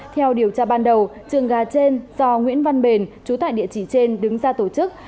theo điều tra ban đầu trường gà trên do nguyễn văn bền chú tại địa chỉ trên đứng ra tổ chức